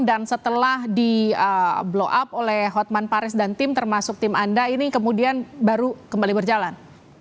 dan setelah di blow up oleh hotman pares dan tim termasuk tim anda ini kemudian baru kembali berjalan